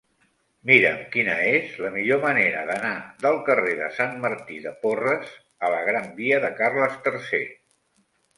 Mira'm quina és la millor manera d'anar del carrer de Sant Martí de Porres a la gran via de Carles III.